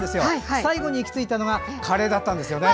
最後に行き着いたのがカレーだったんですよね。